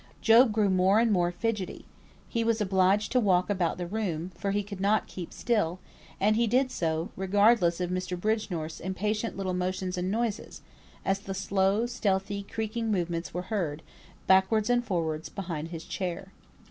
Job grew more and more fidgetty. He was obliged to walk about the room, for he could not keep still; and he did so, regardless of Mr. Bridgenorth's impatient little motions and noises, as the slow, stealthy, creaking movements were heard, backwards and forwards, behind his chair.